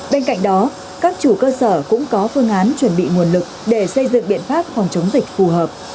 bên cạnh đó các chủ cơ sở cũng có phương án chuẩn bị nguồn lực để xây dựng biện pháp phòng chống dịch phù hợp